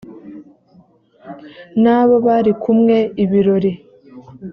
n abo bari kumwe ibirori